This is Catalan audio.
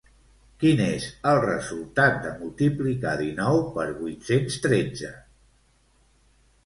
Quin és el resultat de multiplicar dinou per vuit-cents tretze?